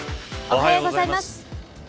おはようございます。